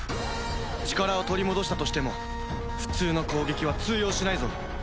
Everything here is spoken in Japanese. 力を取り戻したとしても普通の攻撃は通用しないぞ。